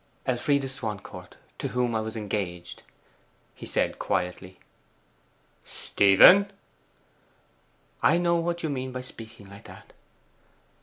'Elfride Swancourt, to whom I was engaged,' he said quietly. 'Stephen!' 'I know what you mean by speaking like that.